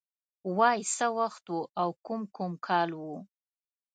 وای څه وخت و او کوم کوم کال و